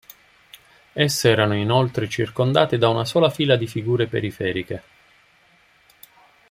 Esse erano inoltre circondate da una sola fila di figure periferiche.